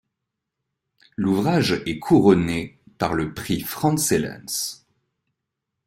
L’ouvrage est couronné par le prix Franz Hellens.